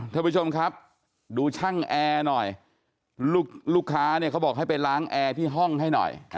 ท่านผู้ชมครับดูช่างแอร์หน่อยลูกค้าเนี่ยเขาบอกให้ไปล้างแอร์ที่ห้องให้หน่อย